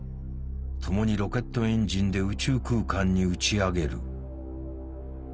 共にロケットエンジンで宇宙空間に打ち上げる。